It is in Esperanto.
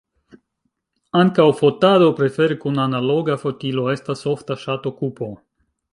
Ankaŭ fotado, prefere kun analoga fotilo, estas ofta ŝatokupo.